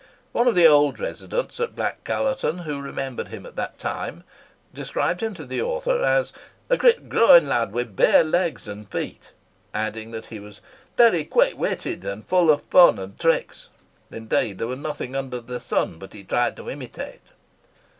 One of the old residents at Black Callerton, who remembered him at that time, described him to the author as "a grit growing lad, with bare legs an' feet;" adding that he was "very quick witted and full of fun and tricks: indeed, there was nothing under the sun but he tried to imitate."